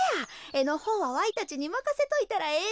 えのほうはわいたちにまかせといたらええで。